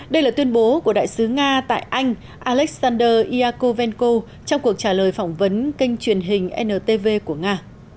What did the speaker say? đây là tuyên bố của đại sứ nga tại anh alexander iakovenko trong cuộc trả lời phỏng vấn kênh truyền hình ntv của nga